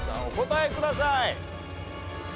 お答えください。